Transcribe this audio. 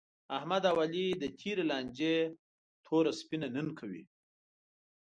احمد او علي د تېرې لانجې توره سپینه نن کوي.